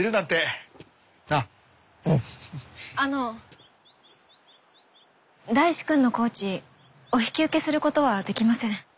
あの大志くんのコーチお引き受けすることはできません。